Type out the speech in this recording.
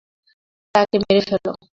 তাকে মেরে ফেলো।